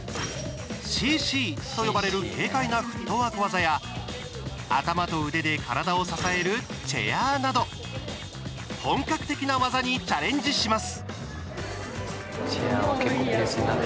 ＣＣと呼ばれる軽快なフットワーク技や頭と腕で体を支えるチェアーなど本格的な技にチャレンジします。